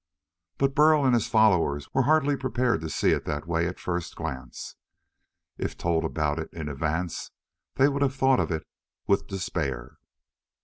But Burl and his followers were hardly prepared to see it that way at first glance. If told about it in advance, they would have thought of it with despair.